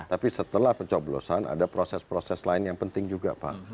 tapi setelah pencoblosan ada proses proses lain yang penting juga pak